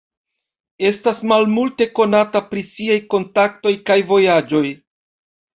Estas malmulte konata pri siaj kontaktoj kaj vojaĝoj.